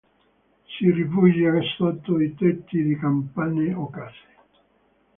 Si rifugia sotto i tetti di capanne o case.